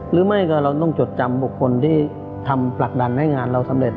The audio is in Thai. หรือไม่ก็เราต้องจดจำบุคคลที่ทำผลักดันให้งานเราสำเร็จ